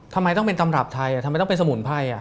ทำไมต้องเป็นตำรับไทยทำไมต้องเป็นสมุนไพร